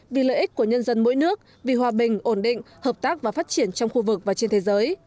vì lợi ích của nhân dân mỗi nước vì hòa bình ổn định hợp tác và phát triển trong khu vực và trên thế giới